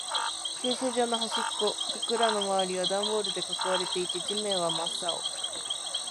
駐車場の端っこ。僕らの周りはダンボールで囲われていて、地面は真っ青。